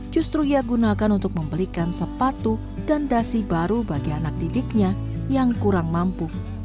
justru ia gunakan untuk membelikan sepatu dan dasi baru bagi anak didiknya yang kurang mampu